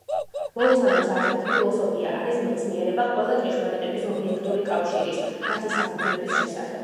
ბოლცანოს აზრით „ფილოსოფია არის მეცნიერება ყველა ჭეშმარიტების ობიექტური კავშირის“, მათი საფუძვლების შესახებ.